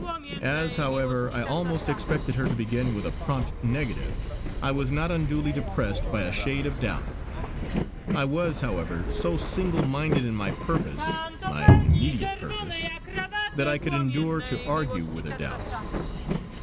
As, however, I almost expected her to begin with a prompt negative, I was not unduly depressed by a shade of doubt. I was, however, so single minded in my purpose my immediate purpose that I could endure to argue with her doubts.